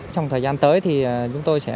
trong thời gian tới thì chúng tôi sẽ